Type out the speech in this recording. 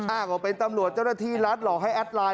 อ้างว่าเป็นตำรวจเจ้าหน้าที่รัฐหลอกให้แอดไลน์